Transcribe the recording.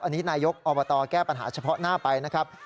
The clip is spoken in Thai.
อันนี้นายกอบตแก้ปัญหาเฉพาะหน้าไปนะครับ